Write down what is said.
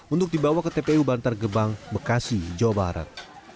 untuk dibawa ke tpu bantar gebang bekasi jawa barat